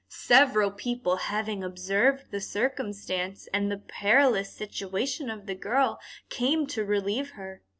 Several people having observed the circumstance, and the perilous situation of the girl, came to relieve her.